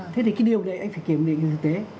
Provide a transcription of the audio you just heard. thế thì cái điều đấy anh phải kiểm niệm cho thực tế